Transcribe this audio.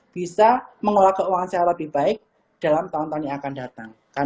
bisa mengelola keuangan secara lebih baik dalam tahun tahun yang akan datang